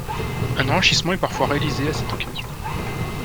Un enrichissement est parfois réalisé à cette occasion.